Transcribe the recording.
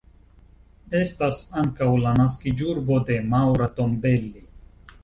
Estas ankaŭ la naskiĝurbo de Maura Tombelli.